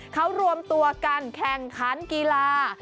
เขารวมตัวกันแข่งขันกีฬา